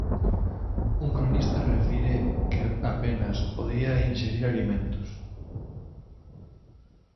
Un cronista refire que apenas podía inxerir alimentos.